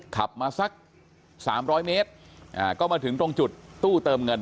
ขับมาสัก๓๐๐เมตรก็มาถึงตรงจุดตู้เติมเงิน